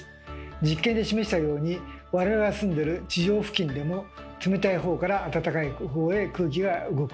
実験で示したように我々が住んでる地上付近でも冷たいほうからあたたかいほうへ空気が動く。